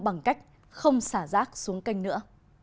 bằng cách không xả rác xuống canh nữa